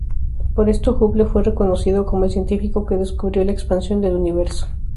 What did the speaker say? Por esto Hubble fue reconocido como el científico que descubrió la expansión del Universo.